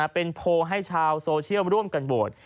เป็นโพลให้ชาวโซเชียลร่วมกันโหวต